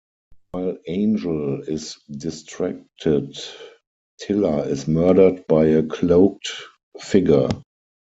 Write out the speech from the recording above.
While Angel is distracted, Tiller is murdered by a cloaked figure.